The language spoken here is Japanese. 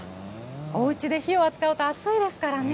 おうちで火を扱うと暑いですからね。